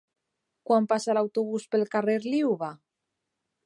Quan passa l'autobús pel carrer Liuva?